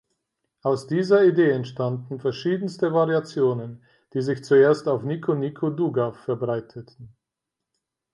Aus dieser Idee entstanden verschiedenste Variationen, die sich zuerst auf Nico Nico Douga verbreiteten.